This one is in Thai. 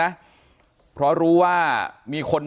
การแก้เคล็ดบางอย่างแค่นั้นเอง